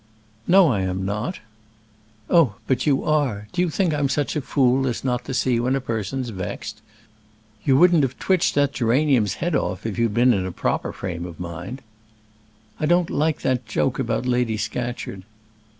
"No, I am not." "Oh, but you are. Do you think I'm such a fool as not to see when a person's vexed? You wouldn't have twitched that geranium's head off if you'd been in a proper frame of mind." "I don't like that joke about Lady Scatcherd."